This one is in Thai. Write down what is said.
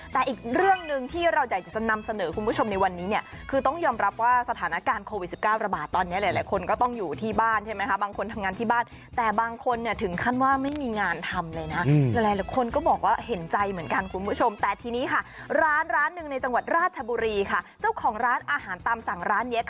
แต่อีกเรื่องหนึ่งที่เราอยากจะนำเสนอคุณผู้ชมในวันนี้เนี่ยคือต้องยอมรับว่าสถานการณ์โควิด๑๙ระบาดตอนนี้หลายคนก็ต้องอยู่ที่บ้านใช่ไหมคะบางคนทำงานที่บ้านแต่บางคนเนี่ยถึงขั้นว่าไม่มีงานทำเลยนะหลายคนก็บอกว่าเห็นใจเหมือนกันคุณผู้ชมแต่ทีนี้ค่ะร้านร้านหนึ่งในจังหวัดราชบุรีค่ะเจ้าของร้านอาหารตามสั่งร้านเย็